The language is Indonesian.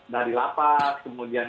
dari lapak kemudian